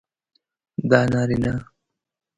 د نارینه